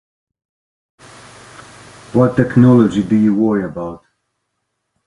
What technology do you worry about?